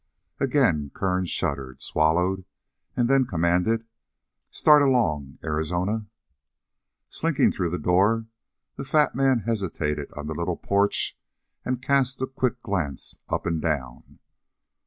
Again Kern shuddered, swallowed, and then commanded: "Start along, Arizona." Slinking through the door, the fat man hesitated on the little porch and cast a quick glance up and down.